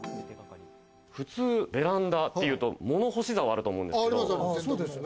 普通ベランダっていうと物干しざおあると思うんですけど。